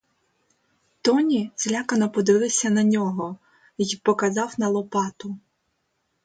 Тоні злякано подивився на нього й показав на лопату.